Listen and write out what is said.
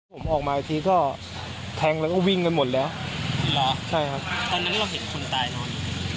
ผมออกมาอีกทีก็แทงแล้วก็วิ่งกันหมดแล้วใช่ครับตอนนั้นเราเห็นคนตายนอนอยู่